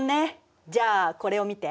じゃあこれを見て。